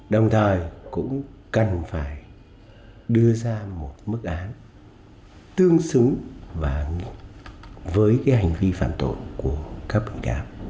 đồng thời cũng cần phải đưa ra một bản đoán tương xứng với cái hành vi phạm tội của các bệnh đạo